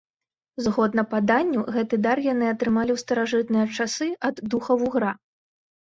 Згодна паданню, гэты дар яны атрымалі ў старажытныя часы ад духа-вугра.